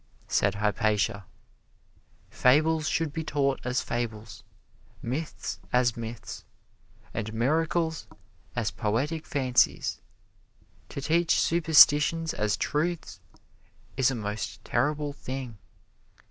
Said Hypatia: "Fables should be taught as fables, myths as myths, and miracles as poetic fancies. To teach superstitions as truths is a most terrible thing.